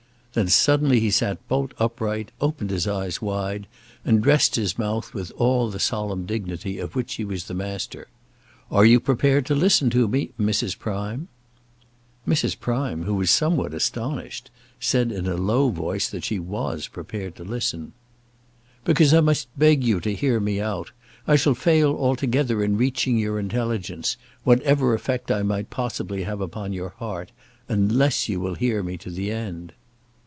Then suddenly he sat bolt upright, opened his eyes wide, and dressed his mouth with all the solemn dignity of which he was the master. "Are you prepared to listen to me, Mrs. Prime?" Mrs. Prime, who was somewhat astonished, said in a low voice that she was prepared to listen. "Because I must beg you to hear me out. I shall fail altogether in reaching your intelligence, whatever effect I might possibly have upon your heart, unless you will hear me to the end."